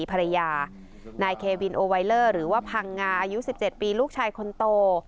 ภรรยานายเควินโอไวเลอร์หรือว่าพังงาอายุ๑๗ปีลูกชายคนโต